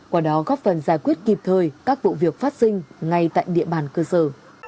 qua đó góp phần giải quyết kịp thời các vụ việc phát sinh ngay tại địa bàn cơ sở